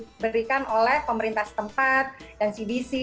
prokes yang diberikan oleh pemerintah setempat dan cdc